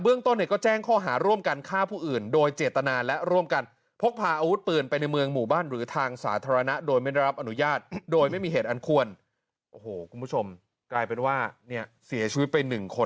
เบื้องต้นเห็นก็แจ้งข้อหาร่วมกันฆ่าผู้อื่นโดยเจตนาและ